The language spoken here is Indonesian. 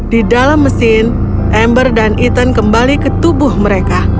di dalam mesin ember dan ethan kembali ke tubuh mereka